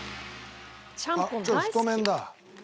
あっちょっと太麺だ。